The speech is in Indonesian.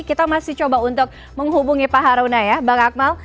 kita masih coba untuk menghubungi pak haruna ya bang akmal